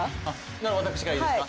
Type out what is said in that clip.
なら私からいいですか？